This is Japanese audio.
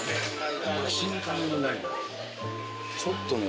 ちょっとね